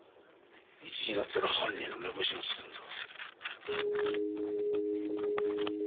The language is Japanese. いつになったら犯人の目星がつくんだ。